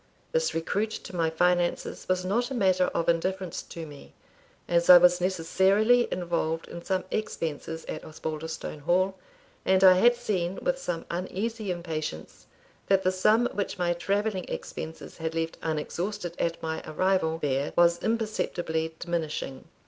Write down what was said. This recruit to my finances was not a matter of indifference to me, as I was necessarily involved in some expenses at Osbaldistone Hall; and I had seen, with some uneasy impatience, that the sum which my travelling expenses had left unexhausted at my arrival there was imperceptibly diminishing.